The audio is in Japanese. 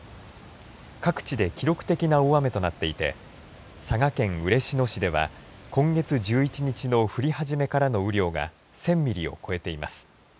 各地で記録的な大雨となっていて佐賀県嬉野市では今月１１日の降り始めからの雨量が１０００ミリを超えています。